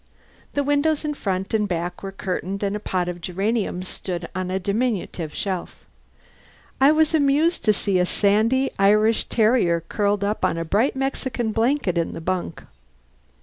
The windows in front and back were curtained and a pot of geraniums stood on a diminutive shelf. I was amused to see a sandy Irish terrier curled up on a bright Mexican blanket in the bunk.